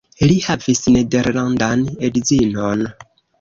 Li havis nederlandan edzinon.